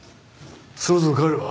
そろそろ帰るわ。